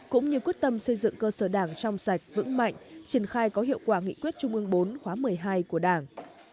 cũng như quyết tâm xây dựng cơ sở đảng trong sạch vững mạnh triển khai có hiệu quả nghị quyết trung ương bốn khóa một mươi hai của đảng